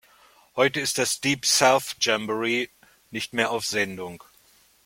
Heute ist das Deep South Jamboree nicht mehr auf Sendung.